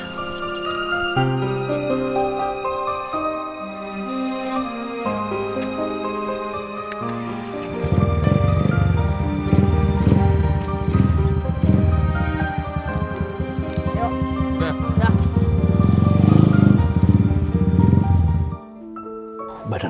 hanya hanya buat urut